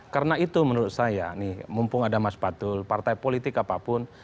karena itu menurut saya mumpung ada mas patul partai politik apapun